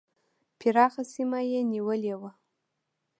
پراخه سیمه یې نیولې وه.